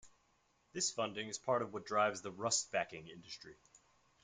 This funding is part of what drives the rustbacking industry.